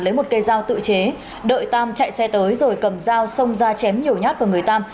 lấy một cây dao tự chế đợi tam chạy xe tới rồi cầm dao xông ra chém nhiều nhát vào người tam